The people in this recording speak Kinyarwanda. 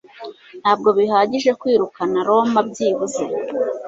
Ntabwo bihagije kwirukana Roma byibuze